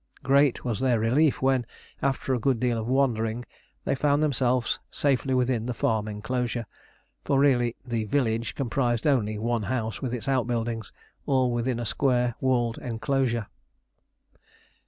Great was their relief when, after a good deal of wandering, they found themselves safely within the farm enclosure; for really the "village" comprised only one house with its outbuildings, all within a square walled enclosure.